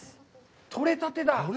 取れたてだ。